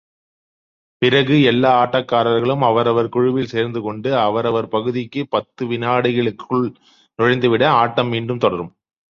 பிறகு, எல்லா ஆட்டக்காரர்களும் அவரவர் குழுவில் சேர்ந்துகொண்டு, அவரவர் பகுதிக்கு பத்து வினாடிகளுக்குள் நுழைந்துவிட, ஆட்டம் மீண்டும் தொடரும்.